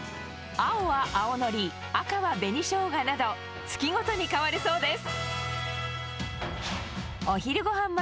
青は青のり、赤は紅ショウガなど、月ごとに替わるそうです。